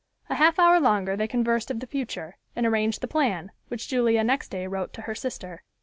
A half hour longer they conversed of the future, and arranged the plan, which Julia next day wrote to her sister.